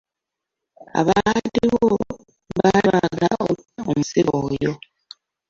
Abaaliwo baali baagala okutta omusibe oyo.